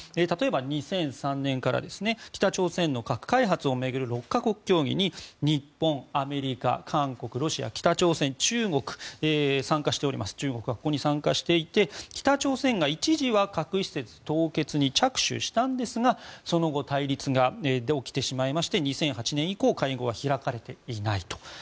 例えば２００３年から北朝鮮の核開発をめぐる６か国協議に日本、アメリカ、韓国、ロシア北朝鮮、中国が参加していて、北朝鮮が一時は核施設凍結に着手したんですがその後、対立が起きてしまい２００８年以降会合は開かれていない。